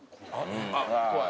あっ怖い。